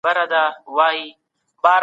کله چي البوتل غواړې، نو دغه نرمغالی خلاص کړه.